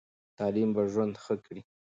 تعلیم به ژوند ښه کړي.